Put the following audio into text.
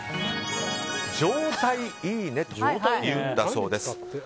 状態いいねというんだそうです。